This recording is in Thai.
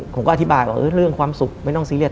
ผมก็อธิบายว่าเรื่องความสุขไม่ต้องซีเรีย